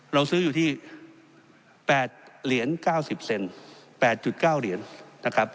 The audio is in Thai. เราซื้ออยู่ที่๘๙เหรียญ๙๐เซน